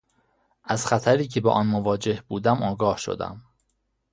از خطری که با آن مواجه بودم آگاه شدم.